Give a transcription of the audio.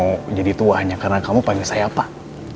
saya mau jadi tua hanya karena kamu panggil saya pak